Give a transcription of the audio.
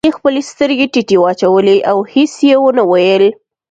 هغې خپلې سترګې ټيټې واچولې او هېڅ يې ونه ويل.